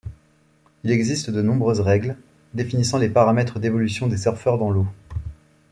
Il existe de nombreuses règles définissant les paramètres d'évolution des surfeurs dans l'eau.